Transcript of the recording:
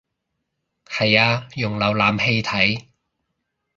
係啊用瀏覽器睇